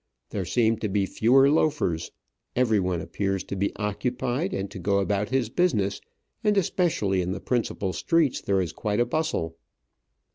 There seem to be fewer loafers ; everyone appears to be occupied and to go about his business, and, especially in the principal streets, there is quite a bustle.